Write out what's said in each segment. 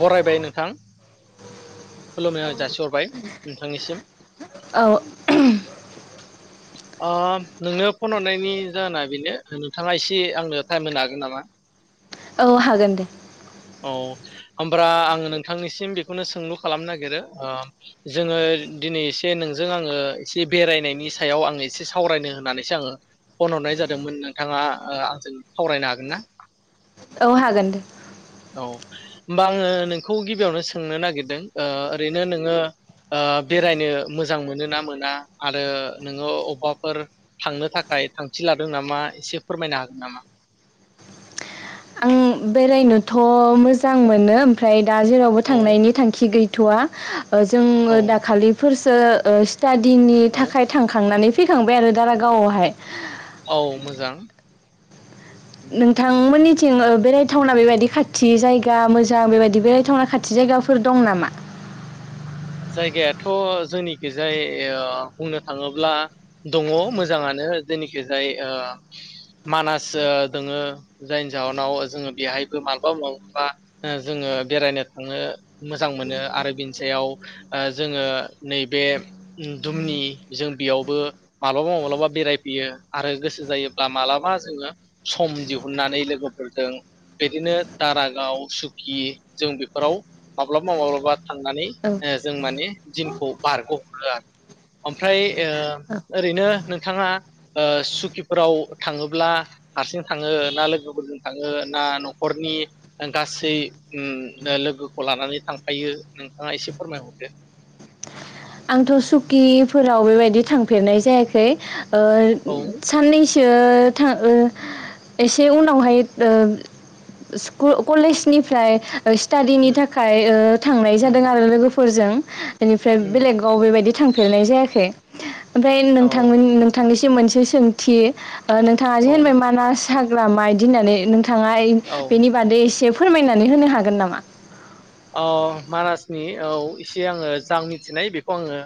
बरायबाय नोंथां खुलुमनाय जासिहरबाय नोंथांनिसिम औ ओ नोंनो फन हरनायनि जाहोना बेनो नोंथाङा एसे आंनो टाइम होनो हागोन नामा? औ हागोन दे ओमब्रा आङो नोंथांनिसिम बेखौनो सोंलु खालामनो नागिरो ओ जोङो दिनै एसे नोंजों आङो एसे बेरायनायनि सो सायाव आं इसे सावरायनो होननानैसो आङो फन हरनाय जादोंमोन नोंथाङा ओ आंजों सावरायनो हागोन ना? औ हागोन दे। औ ओमबा आङो नोंखौ गिबियावनो सोंनो नागिरदों ओ ओरैनो नोङो ओ बेरायनो मोजां मोनो ना मोना आरो नोङो अबेबाफोर थांनो थाखाय थांखि लादों नामा इसे फोरमायनो हागोन नामा? आं बेरायनोथ मोजां मोनो ओमफ्राय दा जेरावबो औ थांनायनि थांखि गै थवा ओ जोङो औ दाखालिफोरस तो ओस टादिनि औ थाखाय थांखांनानै फैखांबाय आरो दारा गावआवहाय। औ मोजां नोंथांमोननि थिं बेरायथावना बेबायदि खाथि जायगा मोजां बेबायदि बेरायथावना खाथि जायगाफोर दं नामा? जायगायाथ जोंनिखिजाय ओ बुंनो थाङोब्ला दङ मोजाङानो जोंनिखिजाय ओ मानास ओ दङो जायनि जाउनाव जोङो बेहायबो मालाबा मालाबा जोङो बेरायनो थांनो मोजां मोनो आरो बिनि सायाव ओ जोङो नैबे ओम दुमनि जों बेयावबो मालाबा माब्लाबा बेरायफैयो आरो गोसो जायोब्ला मालाबा जोङो सम दिहुननानै लोगोफोरजों बिदिनो दारागाव सुकि जों बेफोराव माब्लाबा माब्लाबा थांनानै औ ओ जों माने दिनखौ बारगहोया ओमफ्राय ओ औ ओरैनो नोंथाङा ओ सुकिफोराव थाङोब्ला हारसिं थाङो ना लोगोफोरजों थाङो ना नखरनि गासै ओम लोगोखौ लानानै थांफायो नोंथाङा एसे फोरमायहरदो? आंथ सुकिफोराव बेबायदि थांफेरनाय जायाखै ओ औ उम साननै सो थाङो एसे उनावहाय ओ स्कुल कलेजनिफ्राय स्टाडिनि थाखाय ओ थांनाय उम जादों आरो लोगोफोर फोरजों बेनिफ्राय उम बेलेगाव बेबायदि थांफेरनाय जायाखै ओमफ्राय औ नोंथांमोन नोंथांनिसि म मोनसे सोंथि नोंथाङा जे औ होनबाय मानास हाग्रामा इदि होननानै नोंथां औ बेनि बादै एसे फोरमायनानै होनो हागोन नामा? अ मानासनि औ एसे आङो जा मिथिनाय बेखौ आङो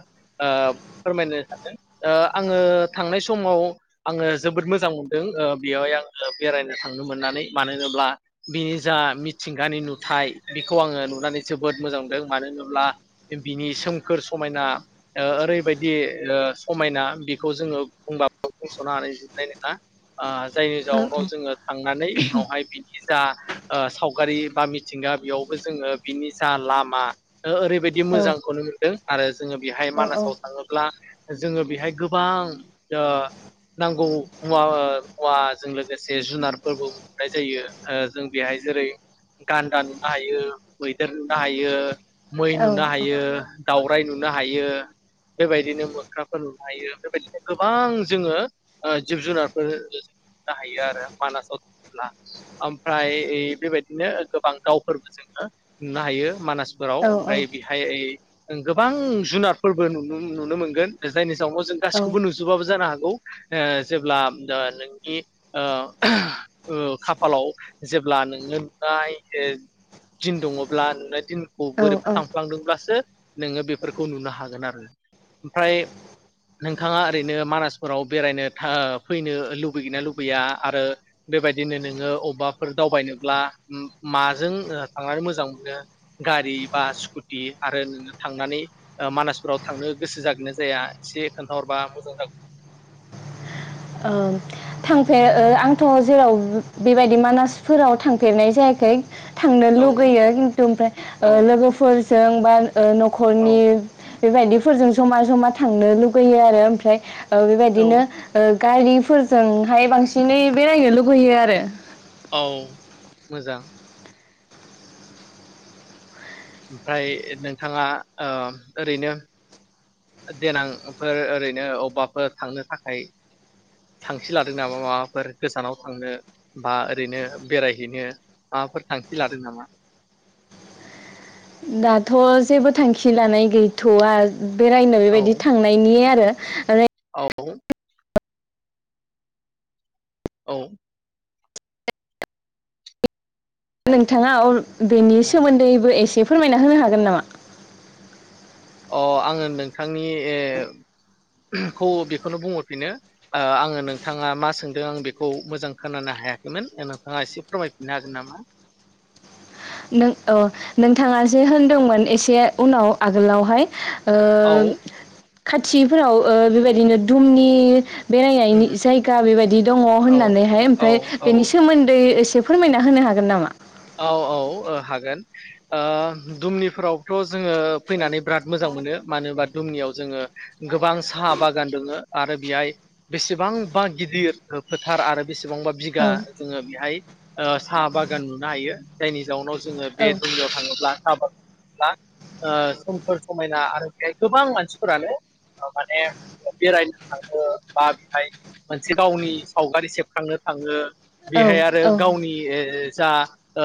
फोरमायनो सानदों आङो थांनाय समाव आङो जोबोद मोजां मोनदों बेवहाय आङो बेरायनो थांनो मोननानै मानो होनोब्ला बिनि जा मिथिंगानि नुथाय बेखौ आङो नु नानै जोबोद मोजांनुदों मानो होनोब्ला बिनि सोमखोर समायना ओरैबायदि समायना बेखौ जोङो बुंबाबो बुंसनो हानाय जोबनाय नङा जायनि औ जाउनाव जोङो थांनानै उनावहाय बिनि जा सावगारि बा मिथिंगा बेयावबो जोङो बिनि जा लामा ओरैबायदि औ मोजांखौनो मोनदों आरो जोङो बेहाय औ मानासाव थाङोब्ला जोङो बेहाय गोबां नांगौ मुवा मुवाजों लोगोसे जुनारफोरबो नुनाय जायो जों बेहाय जेरै गान्दा नुनो हायो मैदेर नुनो हायो मै औ नुनो हायो दावराइ नुनो हायो बेबायदिनो मोख्राफोर नुनो हायो बेबायदिनो गोबां जोङो जिब जुनारफोर नुनो हायो आरो मानासाव थांल्बा ओमफ्राय बेबायदिनो गोबां दाावफोरबो जोङो नुनो हायो मानास फोराव औ ओमफ्राय बेहाय गोबां जुनारफोरबो नुनो नुनो मोनगोन जायनि जावनाव जों औ गासैखौबो नुजुबाबो जानो हागोन गौ जेब्ला नोंनि ओ ओ खाफालाव जेब्ला नोंनो नुनाय दिन दङ ब्ला नुनाय दिनखौ औ बोरैबा औ थांफ्लांदोंब्लासो नोङो बेफोरखौ नुनो हागोन आरो ओमफ्राय नोंथाङा ओरैनो मानासफोराव बेरायनो फैनो लुबैगैना लुबैया आरो बेबायदिनो नोङो अबबाफोर दावबायनोब्ला माजों थांनानै मोजां मोनो गारि बा स्कुटि आरो नोङो थांनानै मानासफोराव थांनो गोसो जागोना जाया एसे खोन्थाहरबा मोजां जागोन औ थांफेर आंथ जेराव बेबायदि मानासफोराव थांफेरनाय जायाखै थांनो औ लुुगैयो खिन्थु औ ओमफ्राय लोगोफोर जोंबा औ नखरनि बेबायदिफोरजों जमा जमा थांनो लुगैयो आरो ओमफ्राय औ बेबायदिनो गारिफोरजोंहाय बांसिनै बेरायनो लुगैयो आरो औ मोजां ओमफाय नोंथाङा ओ ओरैनो देनांफोर ओरैनो अबबाफोर थांनो थाखाय थांखि लादों नामा माबाफोर गोजानाव थांनो बा ओरैनो बेरायहैनो माबाफोर थांखि लादों नामा? दाथ जेबो थांखि लानाय गैथआ बेरायनो औ बेबायदि थांनायनि आरो [unintelligible] औ औ नोंथाङा अ बेनि सोमोन्दैबो एसे फोरमायना होनो हागोन नामा? अ आङो नोंथांनि खौ बेखौनो बुंहरफिनो आङो नोंथाङा मा सोंदों आं बेखौ मोजां खोनानो हायाखैमोन नोंथाङा एसे फोरमायफिननो हागोन नामा? नों औ नोंथाङ जे होनदोंमोन एसे उनाव आगोलावहाय ओ औ खाथिफोराव ओ बेबायदिनो दुमनि बेरायनायनि उम जायगा बेबायदि दङ औ होननानैहाय औ ओमफ्राय औ बेनि सोमोन्दै एसे फोरमायना होनो हागोन नामा? औ औ ओ हागोन ओ दुमनिफोरावथ' जोङो फैनानै बिराद मोजां मोनो मानोबा दुमनियाव जोङो गोबां साहा बागान दोङो आरो बेहाय बेसेबांबा गिदिर फोथार आरो बेसेबांबा बिगा औ जोङो बेहाय ओ साहा बागान नो हायो जायनि जाउनाव जोङो बे औ दुमनियाव थाङोब्ला आबादब्ला ओ सोमखोर समायना आरो बेहाय गोबां मानसिफोरानो माने बेरायनो थाङो बा बेहाय मोनसे गावनि सावगारि सेबखांनो थाङो। औ बेहाय आरो औ गावनि ओ जा ओ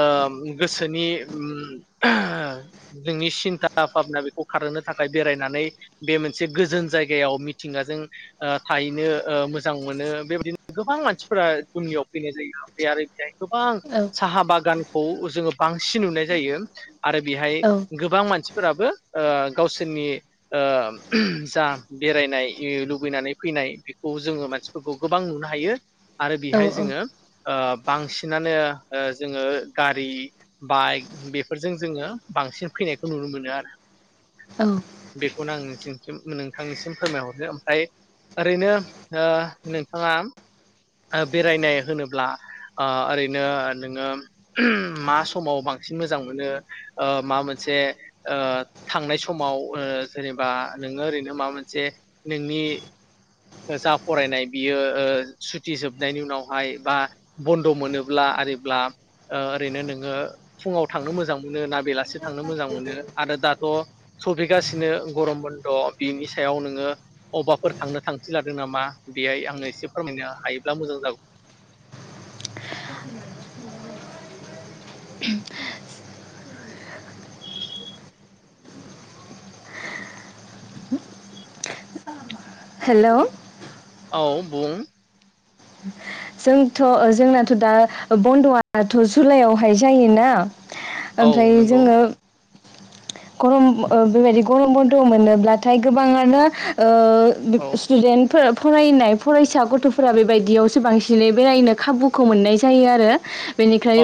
गोसोनि ओम नोंनि सिन्था भाबना बेखौ खारहो थाखाय बेरायनानै बे मोनसे गोजोन जायगायाव मिथिंगाजों ओ थाहैनो ओ मोजां मोनो बेबायदिनो गोबां मानसिफोरा दुमनियाव फैनाय जायो ओमफाय आरो बेहाय गोबां साहा बाग गानखौ जोङो बांसिन नुनाय जायो आरो बेहाय औ गोबां मानसि फोराबो ओ गावसोरनि ओ जा बेरायनाय लुबैनानै फैनाय बेखौ जोङो मानसिफोरखौ गोबां नुनो हायो। आरो औ बेहाय जोङो ओ बांसिनानो ओ जोङो गारि बाइक बेफोरजों जोङो बांसिन फैनायखौ नुनो मोनो आरो औ बेखौनो आं नोंथि नोंथांनिसिम फोरमायहरदो ओमफ्राय ओरैनो ओ नोंथाङा ओ बेरायनाय होनोब्ला ओ ओरैनो नोङो मा समाव बांसिन मोजां मोनो ओ माबा ओ मोनसे ओ थांनाय समाव ओ जेनेबा नोङो ओरैनो मा मोनसे नोंनि जा फरायनाय बियो सुथि जोबनायनि उनावहाय बा बन्द मोनोब्ला आरोब्ला ओरैनो नोङो फुङाव थांनो मोजां मोनो ना बेलासि थांनो मोजां मोनो आरो दाथ सबिगासिनो गरम बन्द बिनि सायाव नोङो अबबाफोर थांनो थां खि लादों नामा बेहाय आङो एसे फोरमायनो हायोब्ला मोजां जागौ हेलौ औ बुं जोंथ जोंनाथ दा बन्दआथ जुलाइआवहाय जायोना औ ओमफ्राय नंगौ जोङो गरम ओ बेबायदि गरम बन्द मोनोब्लाथाय गोबाङानो ओ औ ओ स्टुडेन्ट फोर फरायनाय फरायसा गथफोरा बेबायदियाव स सो बांसिनै बेरायनो खाबुखौ मोननाय जायो आरो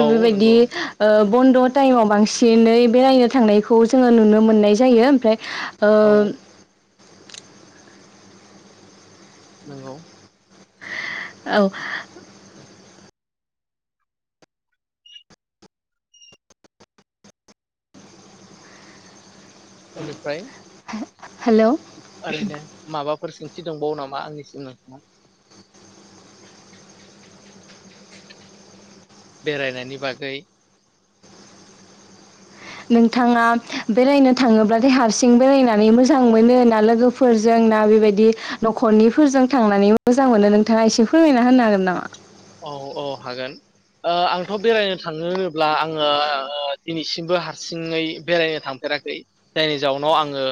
औ बेबायदि नंगौ ओ ब बन्द टाइमाव बांसिनै बेरायनो थांनायखौ जोङो नुनो मोननाय जायो ओमफ्राय ओ औ नंगौ औ बेनिफ्राय हेलौ ओरैनो माबाफोर सि थि दंबावो नामा आंनिसिम नोंथाङा बेरायनायनि बागै नोंथाङा बेरायनो थाङोब्लाथाय हारसिं बेरायनानै मोजां मोनो ना लोगोफोरजों ना बेबायदि नखरनिफोरजों थांनानै मोजां मोनो नोंथाङा एसे फोरमायना होनो हागोन नामा औ औ ओ हागोन आंथ बेरायनो थाङो होनोब्ला आङो ओ दिनैसिमबो हारसिङै बेरायनो थांफेराखै जायनि जाउनाव आङो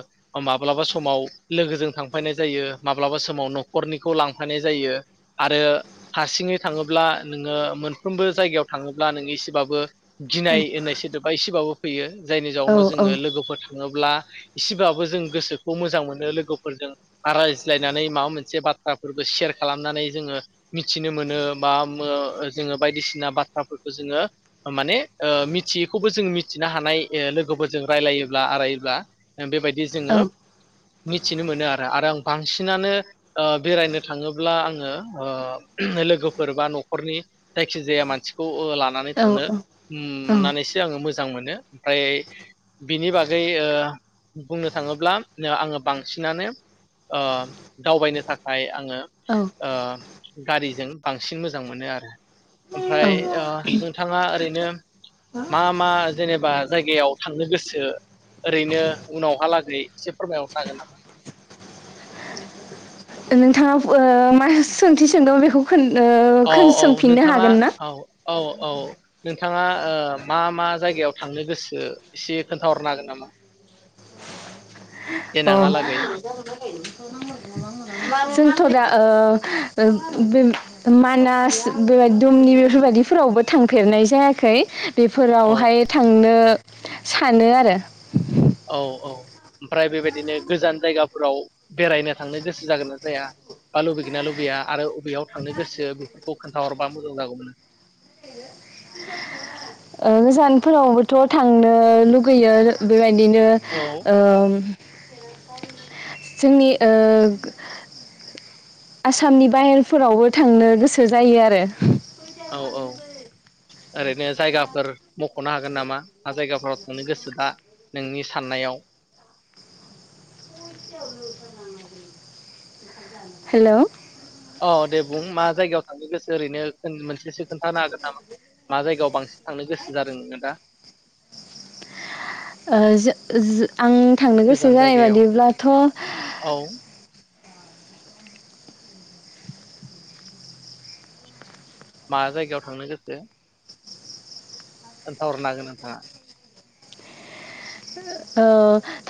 माब्लाबा समाव लोगोजों थांफैनाय जायो माब्लाबा समाव नखरनिखौ लांफैनाय जायो आरो हारसिङै थाङोब्ला नोङो मोनफ्रोमबो जायगायाव थाङोब्ला नोङो एसेबाबो गिनाय होननाय सोदोबा एसेबाबो फैयो जायनि औ जाउनाव जोङो औ लोगोफोर थाङोब्ला इसेबाबो जों गोसोखौ मोजां मोनो लोगोफोरजों रायज्लायनानै माबा मोनसे बाथ्राफोरखौ सेयार खालामनानै जोङो मिथिनो मोनो बा मो जोङो बायदिसिना बाथ्राफोरखौ जोङो माने ओ मिथियैखौबो जो मिथिनो हानाय ओ लोगोफोरजों रायलायोब्ला आरायोब्ला ओ बेबायदि जोङो औ मिथिनो मोनोआरो आरो आं बांसिनानो ओ बेरायनो थाङोब्ला आङो ओ लोगो फ फोर बा न'खरनि जायखि जाया मानसिखौ लानानै औ थांनोनानैसो औ उम नानैसो आं मोज मोजां मोनो ओमफ्राय बिनि बागै ओ बुंनो थाङोब्ला आङो बांसिनानो ओ दावबायनो थाखाय आङो औ ओ गारिजों बांसिन मोजां मोनोआरो औ ओमफ्राय ओ नोंथाङा ओरैनो मा मा जेनेबा जायगायाव थांनो गोसो ओरैनो उनावहालागै एसे फोरमायहरनो हागोन नामा नोंथाङा ओ मा सोंथि सोंदों बेखौ खोन ओ औ खोन औ सोंफिननो नोंथाङा हागोन ना? औ औ। औ नोंथाङा ओ मा मा जायगायाव थांनो गोसो एसे खोन्थाहरनो हागोन नामा? अ देनाङा लागै। जोंथ' ओ दा बे मानास बे दुमनि बेफोर बायदिफोरावबो थांफेरनाय जायाखै। औ बेफोरावहाय थांनो ओ सानो आरो। औ औ ओमफ्राय बेबायदिनो गोजान जायगाफोराव बेरायनो थांनो गोसो जागोन ना जाया बा लुबैगोन नना लुबैया? आरो बबेयाव थांनो गोसो बेफोरखौ खोन्थाहरबा मोजां जागौमोन। ओ गोजानफोरावबोथ' थांनो लुगैयो बेबायदिनो। औ यो उम। [unintelligible] जोंनि ओ आसामनि बाहेरफोरावबो थांनो गोसो जायो आरो। औ औ ओरैनो जायगाफोर मख'नो हागोन नामा मा जायगाफोराव थांनो गोसो दा नोंनि साननायाव? हेलौ अ दे बुं मा जायगायाव थांनो गोसो ओरैनो मोनसेसो खोन्थानो हागोन नामा मा जायगायाव बांसिन थांनो गोसो जादों नों दा? ओ जो जो आं थांनो गोसो गोजान जानाय जायगायाव बादिब्लाथ' औ मा जायगायाव थांनो गोसो खोनथाहरनो हागोन नोंथाङा? ओ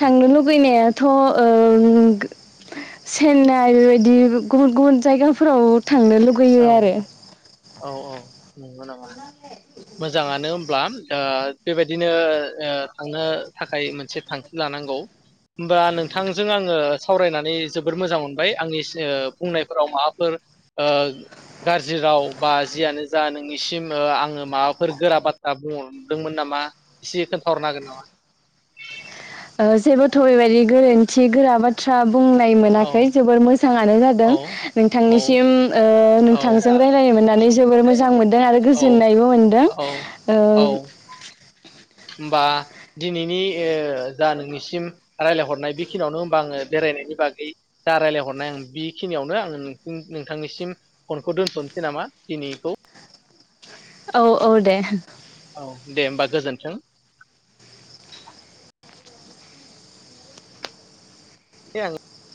थांनो लुगैनायाथ' ओ सेन्नाइ बेबायदि गुबुन गुबुन जायगाफोराव थांनो लुगैयो औ आरो। औ औ नंगौ नामा? मोजाङानो होमब्ला ओ बेबायदिनो थांनो थाखाय मोनसे थांखि लानांगौ होमबा नोंथांजों आङो सावरायनानै जोबोर मोजां मोनबाय आंनि सि बुंनायफोराव माबाफोर ओ गाज्रि राव बा जियानो जा नोंनिसिम आङो माबाफोर गोरा बाथ्रा बुंहरदोंमोन नामा एसे खोन्थाहरनो हागोन नामा? ओ जेबोथ' बेबायदि गोरोन्थि गोरा बाथ्रा बुंनाय औ मोनाखै जोबोर मोजाङानो जादों औ औ नोंथांनिसिम ओ औ नोंथांजों रायजलायनो मोननानै जोबोर मोजां मोन्दों आरो औ गोजोननायबो मोनदों औ ओ औ होमबा दिनैनि ओ जा नोंनिसिम रायलायहरनाय बेखिनियावनो होमबा आङो बेरायनायनि बागै जा रायलायहरनाय आं बेखिनियावनो आङो नोंथांनिसिम फनखौ दोनथनोसै नामा दिनैखौ? औ औ दे। औ दे होमबा गोजोन्थों। [unintelligible]